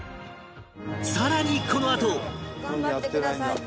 さらにこのあと頑張ってください。